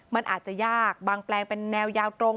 มันอาจจะยากบางแปลงเป็นแนวยาวตรง